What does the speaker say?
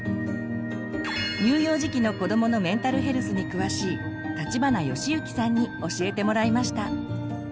乳幼児期の子どものメンタルヘルスに詳しい立花良之さんに教えてもらいました。